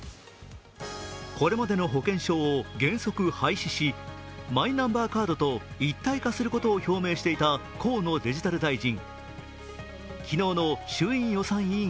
これまでの保険証を原則廃止し、マイナンバーカードと一体化することを表明していた河野デジタル大臣。